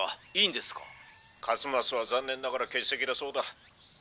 「一益は残念ながら欠席だそうだ。